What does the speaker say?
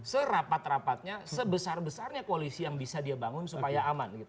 serapat rapatnya sebesar besarnya koalisi yang bisa dia bangun supaya aman